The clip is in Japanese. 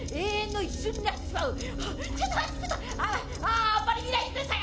あんまり見ないでください。